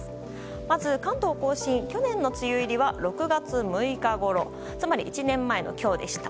まず関東・甲信去年の梅雨入りは６月６日ごろつまり１年前の今日でした。